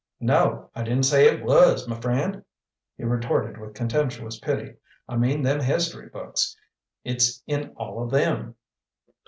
"NO! I didn't say it WAS, m' friend," he retorted with contemptuous pity. "I mean them history books. It's in all o' THEM!"